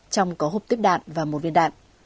trong có hộp tiếp đạn và một viên đạn